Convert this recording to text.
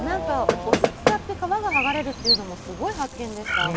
お酢を使って皮が剥がれるのも発見でした。